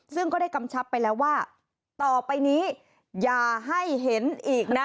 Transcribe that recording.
ซึ่งก็ได้กำชับไปแล้วว่าต่อไปนี้อย่าให้เห็นอีกนะ